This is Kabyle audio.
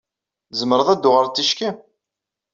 Tezmreḍ ad d-tuɣaleḍ ticki?